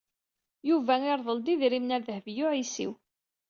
Yuba irḍel-d idrimen ɣer Dehbiya u Ɛisiw.